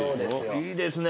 いいですね。